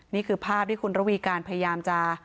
นี่คือภาพที่คุณระวีการพยายามจะ